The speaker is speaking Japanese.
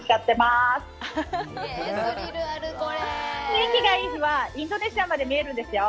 天気がいい日はインドネシアまで見えるんですよ。